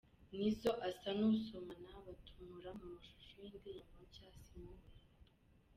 Nizo asa n’usomana batumura mu mashusho y’indirimbo nshya “Simubure”